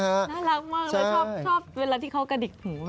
น่ารักมากแล้วชอบเวลาที่เขากระดิกหู